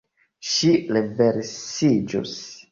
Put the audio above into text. Ŝi renversiĝus.